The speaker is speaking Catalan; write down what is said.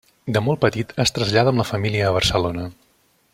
De molt petit es trasllada amb la família a Barcelona.